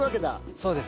そうです。